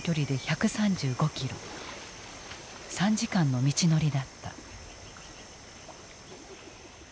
３時間の道のりだった。